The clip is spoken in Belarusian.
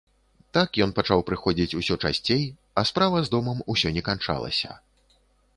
Так ён пачаў прыходзіць усё часцей, а справа з домам усё не канчалася.